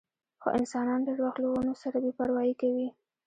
خو انسانان ډېر وخت له ونو سره بې پروايي کوي.